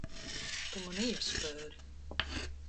Tu man iespēri.